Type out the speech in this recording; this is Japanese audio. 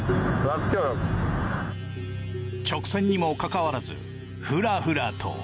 直線にもかかわらずフラフラと。